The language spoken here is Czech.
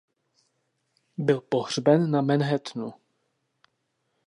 Byl pohřben na Manhattanu.